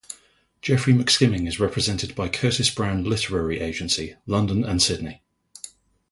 Geoffrey McSkimming is represented by Curtis Brown Literary Agency, London and Sydney.